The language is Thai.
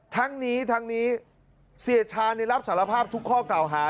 ทั้งนี้ทั้งนี้เสียชารับสารภาพทุกข้อกล่าวหา